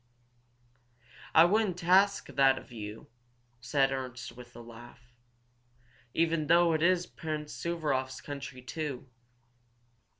"I wouldn't ask that of you," said Ernst, with a laugh. "Even though it is Prince Suvaroff's country, too?"